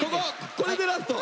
これでラスト。